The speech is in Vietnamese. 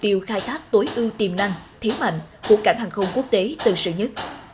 mục tiêu khai tháp tối ưu tiềm năng thiếu mạnh của cảng hàng không quốc tế tầng sở nhất